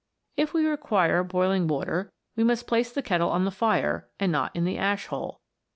If we require boiling water we must place the kettle on the fire, and not in the ash hole.